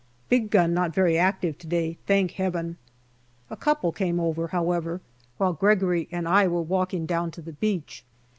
Big gun not very active to day, thank Heaven. A couple came over, however, while Gregory and I were walking down to the beach.